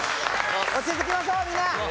落ち着きましょうみんな。